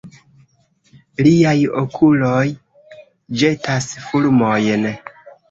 Liaj okuloj ĵetas fulmojn!